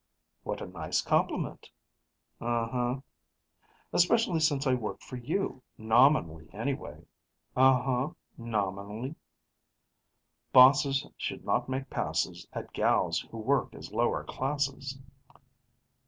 "What a nice compliment " "Uh huh." "Especially since I work for you, nominally anyway " "Uh huh, nominally." "Bosses should not make passes At gals who work as lower classes."